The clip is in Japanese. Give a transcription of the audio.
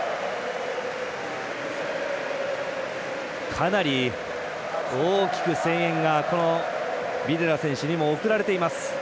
かなり大きく声援がビデラ選手に送られています。